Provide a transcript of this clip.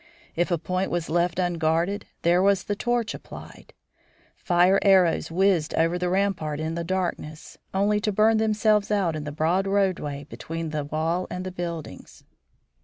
If a point was left unguarded, there was the torch applied. Fire arrows whizzed over the rampart in the darkness, only to burn themselves out in the broad roadway between the wall and the buildings.